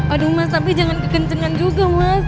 aduh mas tapi jangan kekencengan juga mas